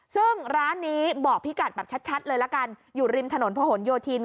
ซึ่งร้านนี้บอกพี่กัดแบบชัดเลยละกันอยู่ริมถนนพะหนโยธิน